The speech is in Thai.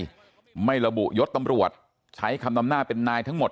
ไม่ระบุยศตำรวจใช้คำนำหน้าเป็นนายทั้งหมด